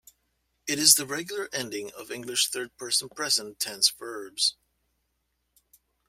It is the regular ending of English third person present tense verbs.